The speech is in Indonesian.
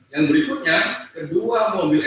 yang berikutnya kedua mobil